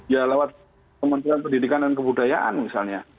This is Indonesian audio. ya lewat kementerian pendidikan dan kebudayaan misalnya